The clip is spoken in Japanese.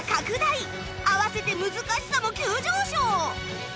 併せて難しさも急上昇！